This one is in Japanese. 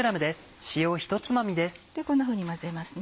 こんなふうに混ぜますね。